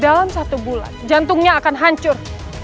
dalam satu bulan jantungnya akan hancur